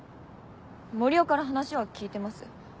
森生から話は聞いてます。